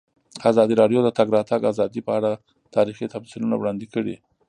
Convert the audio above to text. ازادي راډیو د د تګ راتګ ازادي په اړه تاریخي تمثیلونه وړاندې کړي.